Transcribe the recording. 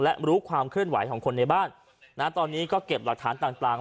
และรู้ความเคลื่อนไหวของคนในบ้านนะตอนนี้ก็เก็บหลักฐานต่าง